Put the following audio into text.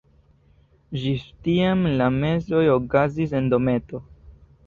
Ĝis tiam la mesoj okazis en dometo.